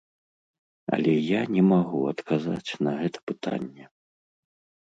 Але я не магу адказаць на гэта пытанне.